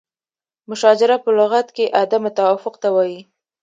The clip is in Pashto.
مشاجره په لغت کې عدم توافق ته وایي.